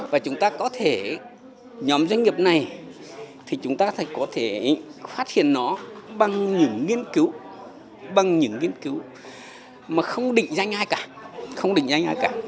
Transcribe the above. và chúng ta có thể nhóm doanh nghiệp này thì chúng ta sẽ có thể phát hiện nó bằng những nghiên cứu bằng những nghiên cứu mà không định danh ai cả không định danh ai cả